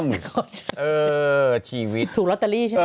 เออชีวิตถูกลอตเตอรี่ใช่ไหม